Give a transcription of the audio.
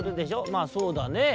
「まあそうだねぇ」。